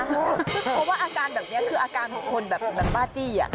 เพราะว่าอาการแบบนี้คืออาการของคนแบบบ้าจี้